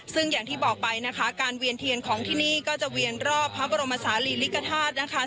ซึ่งอย่างที่บอกไปนะคะการเวียนเทียนของที่นี่ก็จะเวียนรอบพระบรมศาลีลิกธาตุนะคะ